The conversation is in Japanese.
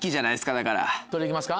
それで行きますか？